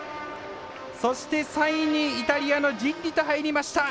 そして３位にイタリアのジッリと入りました。